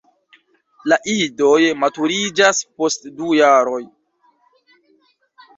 La idoj maturiĝas post du jaroj.